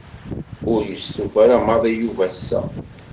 Ur yestufa ara maḍi Yuba ass-a.